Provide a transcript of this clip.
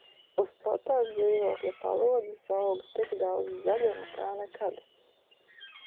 Uz platās dzīvokļa palodzes aug tik daudz zaļuma kā nekad.